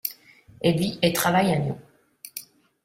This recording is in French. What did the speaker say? Elle vit et travaille à Lyon.